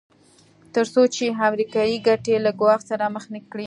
تر څو چې امریکایي ګټې له ګواښ سره مخ نه کړي.